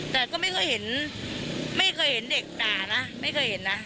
แต่ก็ไม่เคยเห็นไม่เคยเห็นเด็กด่านะไม่เคยเห็นนะ